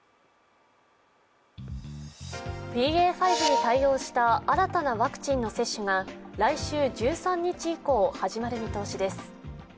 ＢＡ．５に対応した新たなワクチンの接種が来週１３日以降、始まる見通しです。